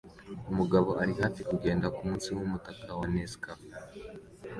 Umugabo ari hafi kugenda munsi yumutaka wa Nescafe